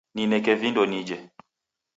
Nineke vindo nije